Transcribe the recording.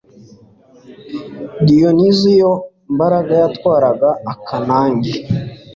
diyoniziyo mbaraga yatwaraga akanage